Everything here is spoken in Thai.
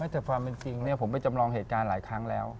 แต่ความเป็นจริงผมไปจำลองเหตุการณ์หลายครั้งแล้ว